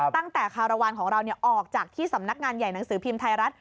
ตั้งแต่คารวาลของเราออกจากที่สำนักงานใหญ่หนังสือพิมพ์ไทยรัฐ